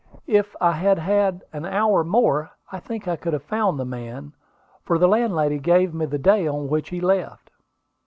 If I had had an hour more, I think I could have found the man; for the landlady gave me the day on which he left."